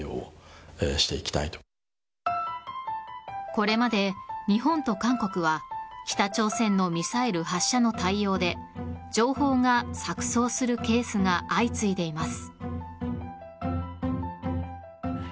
これまで日本と韓国は北朝鮮のミサイル発射の対応で情報が錯綜するケースが相次いでいます。